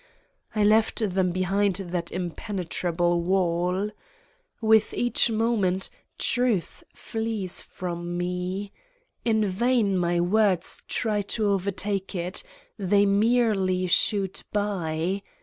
I left them behind that impenetrable 95 Satan's Diary wall. With each moment Truth flees from Me. In vain my words try to overtake it : they merely shoot by.